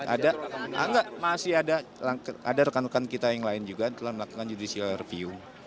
ada enggak masih ada rekan rekan kita yang lain juga telah melakukan judicial review